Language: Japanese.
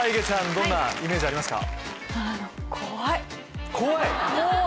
どんなイメージありますか？